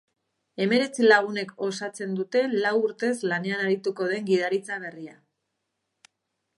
Hemeretzi lagunek osatzen dute lau urtez lanean arituko den gidaritza berria.